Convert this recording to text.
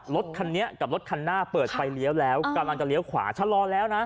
รถคันนี้กับรถคันหน้าเปิดไฟเลี้ยวแล้วกำลังจะเลี้ยวขวาชะลอแล้วนะ